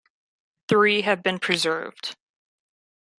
Three have been preserved.